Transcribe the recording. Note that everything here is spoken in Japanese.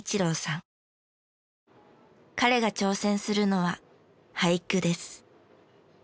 彼が挑戦するのは俳句です。